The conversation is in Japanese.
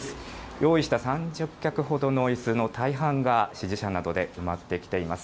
用意した３０脚ほどのいすの大半が支持者などで埋まってきています。